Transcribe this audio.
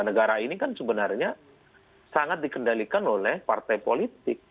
negara ini kan sebenarnya sangat dikendalikan oleh partai politik